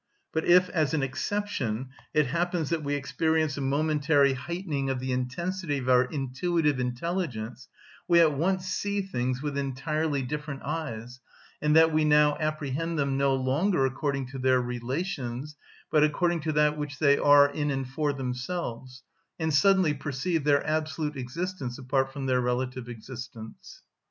But if, as an exception, it happens that we experience a momentary heightening of the intensity of our intuitive intelligence, we at once see things with entirely different eyes, in that we now apprehend them no longer according to their relations, but according to that which they are in and for themselves, and suddenly perceive their absolute existence apart from their relative existence.